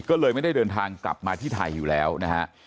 ก็เลยไม่ได้เดินทางกลับมาที่ไทยอยู่แล้วนะฮะ